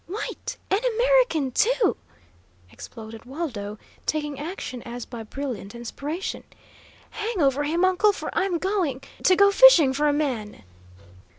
"White, an American, too!" exploded Waldo, taking action as by brilliant inspiration. "Hang over him, uncle, for I'm going to go fishing for a man!"